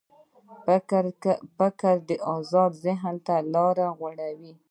فکر د آزاد ذهن له لارې غوړېږي.